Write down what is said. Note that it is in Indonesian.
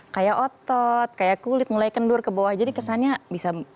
kayak otot kayak kulit mulai kendur ke bawah jadi kesannya bisa